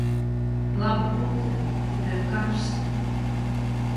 Laba putra, tikai karsta...